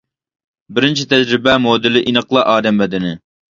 بىرىنچى تەجرىبە مودېلى ئېنىقلا ئادەم بەدىنى.